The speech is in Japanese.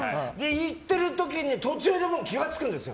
言ってる時に途中で気が付くんですよ。